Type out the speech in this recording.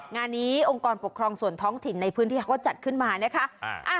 งานนี้องค์กรปกครองส่วนท้องถิ่นในพื้นที่เขาก็จัดขึ้นมานะคะ